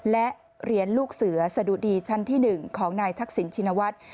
และเหรียญลูกเสือสะดุดีชั้นที่๑ของนายทักษิณชินวัฒน์